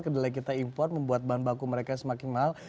kedelai kita impor membuat bahan baku mereka semakin mahal